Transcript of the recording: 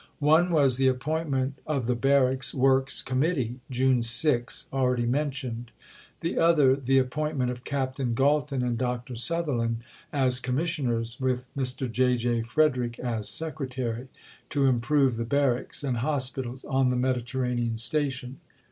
One was the appointment of the Barracks Works Committee (June 6) already mentioned (p. 389); the other, the appointment of Captain Galton and Dr. Sutherland as Commissioners, with Mr. J. J. Frederick as Secretary, to improve the Barracks and Hospitals on the Mediterranean Station.